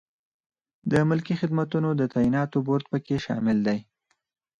د ملکي خدمتونو د تعیناتو بورد پکې شامل دی.